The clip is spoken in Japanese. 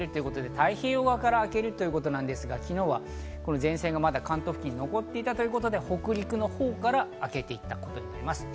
太平洋側から明けるですが昨日は前線がまだ関東付近に残っていたということで、北陸のほうから明けてきたということになります。